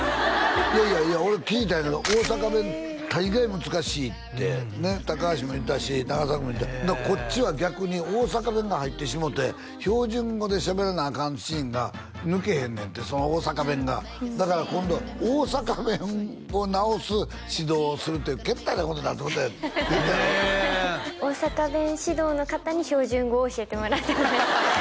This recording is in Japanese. いやいやいや俺聞いたんやけど大阪弁大概難しいってね高橋も言ってたし永作も言ってたこっちは逆に大阪弁が入ってしもて標準語でしゃべらなアカンシーンが抜けへんねんてその大阪弁がだから今度大阪弁を直す指導をするっていうけったいなことになってもうた言ってたよへえ大阪弁指導の方に標準語を教えてもらってました